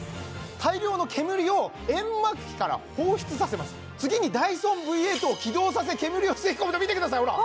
大量の煙を煙幕機から放出させます次にダイソンＶ８を起動させ煙を吸い込むと見てくださいほら！